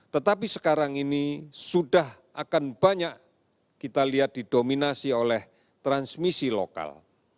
tetapi sekarang ini sudah akan banyak kita lihat didominasi oleh transmisi lokal